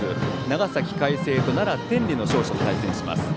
長崎・海星と奈良・天理の勝者と対戦します。